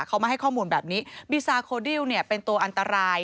เขามาให้ข้อมูลแบบนี้บีซาโคดิลเป็นตัวอันตราย